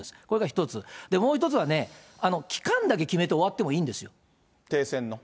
これが一つ、もう一つは、期間だけ決めて終わってもいいんですよ。